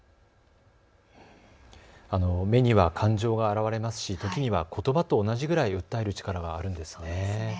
目には感情が表れますし時にはことばと同じくらい訴える力があるんですね。